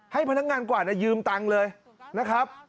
ให้พนักงานกว่ายืมตังค์เลยนะครับ